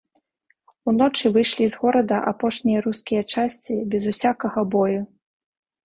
Уночы выйшлі з горада апошнія рускія часці без усякага бою.